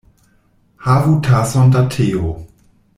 Havu tason da teo.